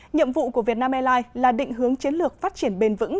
nhiệm vụ của vietnam airlines là định hướng chiến lược phát triển bền vững